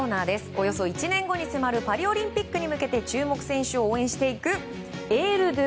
およそ１年後に迫るパリオリンピックに向けて注目選手を応援していくエールｄｅ